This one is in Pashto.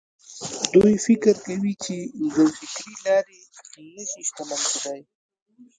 دوی فکر کوي چې د فکري لارې نه شي شتمن کېدای.